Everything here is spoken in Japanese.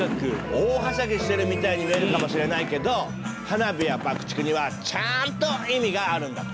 大はしゃぎしてるみたいに見えるかもしれないけど花火や爆竹にはちゃんと意味があるんだって。